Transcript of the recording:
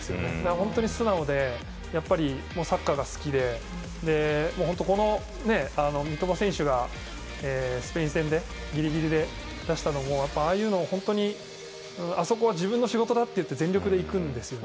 本当に素直で、サッカーが好きで三笘選手がスペイン戦でギリギリで出したのもああいうのを本当にあそこは自分の仕事だと全力で行くんですよね。